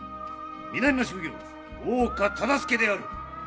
南町奉行、大岡忠相である。